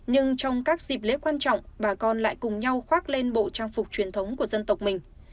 nhưng trong các dịp lễ quan trọng bà con lại cùng nhau khoác lên bộ trang phục truyền thống của dân tộc mình